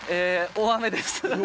大雨ですね